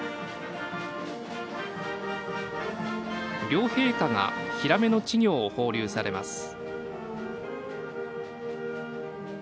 両陛下がヒラメの稚魚を放流されます。